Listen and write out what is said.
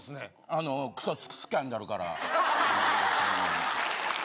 あのクソスキャンダルから。